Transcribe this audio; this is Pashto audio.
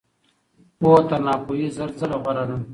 پوهه تر ناپوهۍ زر ځله غوره ده.